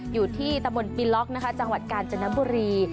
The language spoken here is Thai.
อยู่ที่ตะบนปีล็อกนะคะจังหวัดกาญจนบุรี